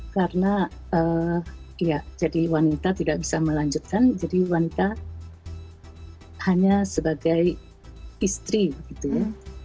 karena ya jadi wanita tidak bisa melanjutkan jadi wanita hanya sebagai istri gitu ya